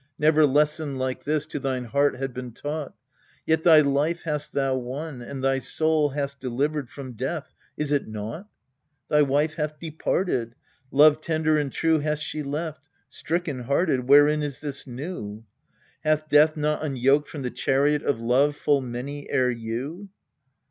Never lesson like this To thine heart had been taught : Yet thy life hast thou won, and thy soul hast delivered from death : is it naught ? Thy wife hath departed : Love tender and true Hast she left : stricken hearted, Wherein is this new ? Hath Death not unyoked from the chariot of Love full many ere you